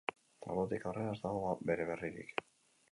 Ordutik aurrera, ez dago bere berririk.